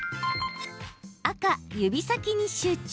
赤・指先に集中！